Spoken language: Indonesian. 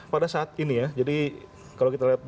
pada saat ini ya jadi kalau kita lihat